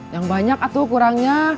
yang banyak atau kurangnya